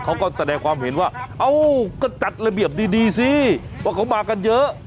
เขาก็แสดงความเห็นว่าเอ้าก็จัดระเบียบดีสิว่าเขามากันเยอะ